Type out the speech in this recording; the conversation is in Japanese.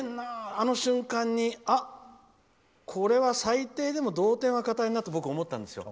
あの瞬間に、これは最低でも同点はかたいなと僕思ったんですよ。